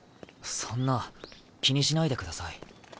そんな気にしないでください。